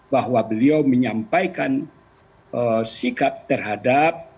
bahwa beliau menyampaikan sikap terhadap